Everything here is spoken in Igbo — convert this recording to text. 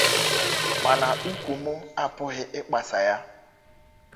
mana ụkwụ mụ apụghị ịkpasa ya.